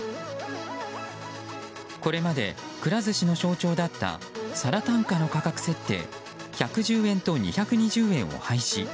これまで、くら寿司の象徴だった皿単価の価格設定１１０円と２２０円を廃止。